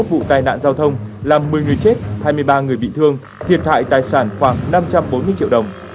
xảy ra hai mươi một vụ tai nạn giao thông làm một mươi người chết hai mươi ba người bị thương thiệt hại tài sản khoảng năm trăm bốn mươi triệu đồng